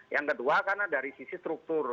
yang kedua karena dari sisi struktur